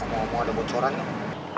mau ada bocoran nggak